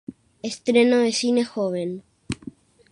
Estreno de cine joven.